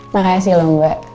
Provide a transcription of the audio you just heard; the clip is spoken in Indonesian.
makasih loh mbak